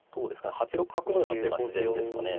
８六角のような手が自然ですかね。